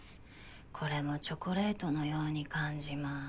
これもチョコレートのように感じます。